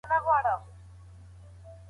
د واکسین د خونديتوب راپورونه ثبتېږي.